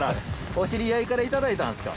お知り合いから頂いたんですか？